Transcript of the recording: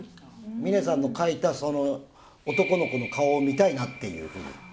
峰さんの描いたその男の子の顔を見たいなっていうふうに。